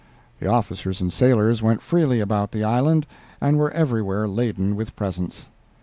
The officers and sailors went freely about the island, and were everywhere laden with presents.